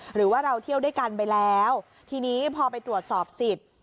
หรือว่าเราเที่ยวด้วยกันไปแล้วทีนี้พอไปตรวจสอบสิทธิ์